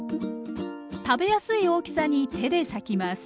食べやすい大きさに手で裂きます。